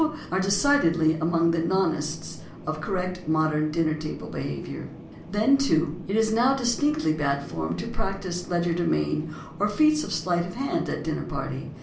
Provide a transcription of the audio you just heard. —are decidedly among the "non ests" of correct modern dinner table behaviour. Then, too, it is now distinctly bad form to practise legerdemain or feats of sleight of hand at a dinner party.